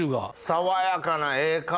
爽やかなええ香り！